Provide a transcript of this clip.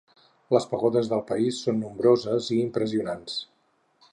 Les pagodes del país són nombroses i impressionants.